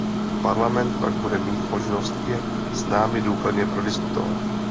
Parlament pak bude mít možnost je s námi důkladně prodiskutovat.